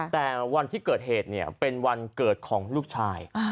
แต่วันที่เกิดเหตุเป็นวันเกิดของลูกชาย